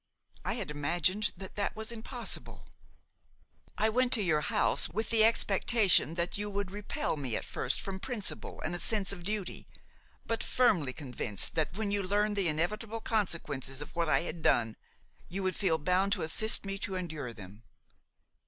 I had imagined that that was impossible. I went to your house with the expectation that you would repel me at first from principle and a sense of duty, but firmly convinced that when you learned the inevitable consequences of what I had done, you would feel bound to assist me to endure them.